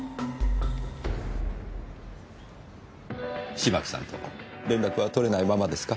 芝木さんと連絡は取れないままですか？